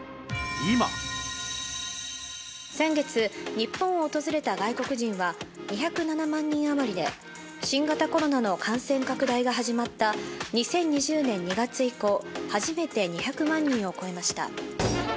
先月日本を訪れた外国人は２０７万人余りで新型コロナの感染拡大が始まった２０２０年２月以降初めて２００万人を超えました。